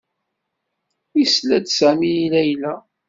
Yesla-d Sami i Layla.